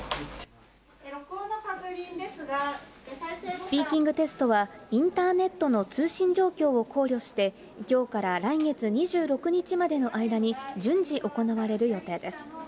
スピーキングテストは、インターネットの通信状況を考慮して、きょうから来月２６日までの間に、順次行われる予定です。